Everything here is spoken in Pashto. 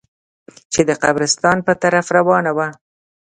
چې د قبرستان په طرف روانه وه.